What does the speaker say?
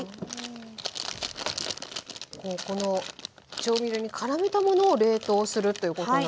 この調味料にからめたものを冷凍するということなんですね。